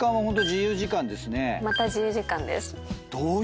また自由時間です。